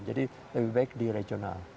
jadi lebih baik di regional